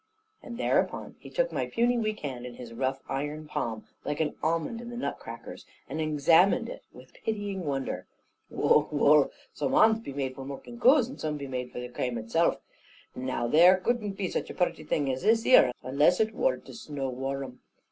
And thereupon he took my puny weak hand in his rough iron palm, like an almond in the nut crackers, and examined it with pitying wonder. "Wull, wull! some hands be made for mulking coos, and some be made of the crame itself. Now there couldn't be such a purty thing as this ere, unless it wor to snow war'rm.